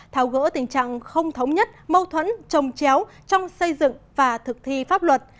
tháo gỡ tình trạng không thống nhất mâu thuẫn trồng chéo trong xây dựng và thực thi pháp luật